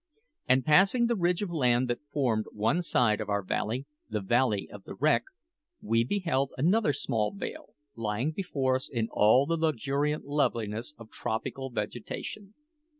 After passing the ridge of land that formed one side of our valley the Valley of the Wreck we beheld another small vale lying before us in all the luxuriant loveliness of tropical vegetation.